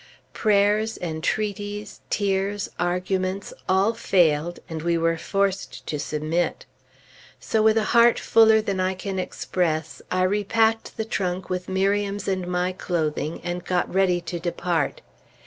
Prayers, entreaties, tears, arguments, all failed; and we were forced to submit. So with a heart fuller than I can express, I repacked the trunk with Miriam's and my clothing, and got ready to depart.